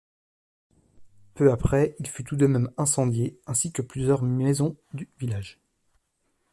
Peu après il fut tout de même incendié, ainsi que plusieurs maisons du village.